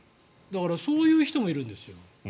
だからそういう人もいるんですよ。